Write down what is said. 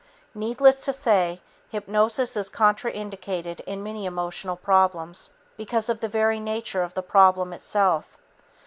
Needless to say, hypnosis is contraindicated in many emotional problems because of the very nature of the problem itself.